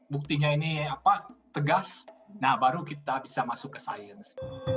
buktinya ini tegas nah baru kita bisa masuk ke sains